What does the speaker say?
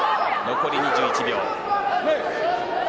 残り２１秒。